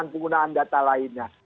penggunaan data lainnya